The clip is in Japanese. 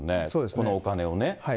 このお金をね。